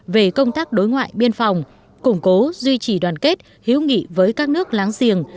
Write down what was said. về công tác đối ngoại biên phòng củng cố duy trì đoàn kết hiếu nghị với các nước láng giềng